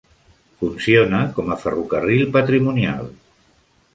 Funciona com a ferrocarril patrimonial.